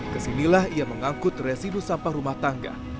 kesinilah ia mengangkut residu sampah rumah tangga